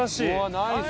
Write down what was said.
ナイス！